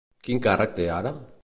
Quin càrrec té ara?